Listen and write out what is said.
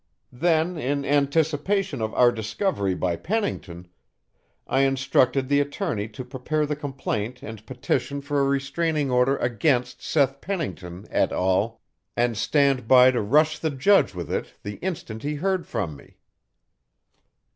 Then, in anticipation of our discovery by Pennington, I instructed the attorney to prepare the complaint and petition for a restraining order against Seth Pennington et al. and stand by to rush the judge with it the instant he heard from me!